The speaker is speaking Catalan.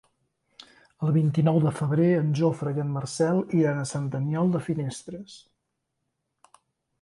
El vint-i-nou de febrer en Jofre i en Marcel iran a Sant Aniol de Finestres.